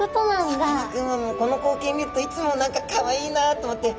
さかなクンはこの光景見るといつも何かかわいいなと思って。